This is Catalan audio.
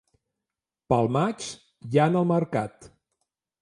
Pel maig, llana al mercat.